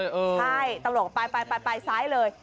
ใช่ตำรวจบอกไปซ้ายเลย